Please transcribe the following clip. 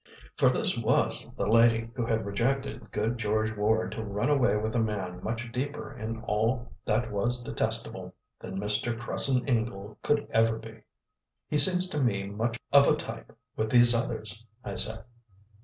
For this was the lady who had rejected good George Ward to run away with a man much deeper in all that was detestable than Mr. Cresson Ingle could ever be! "He seems to me much of a type with these others," I said.